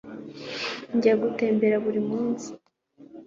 njya gutembera buri munsi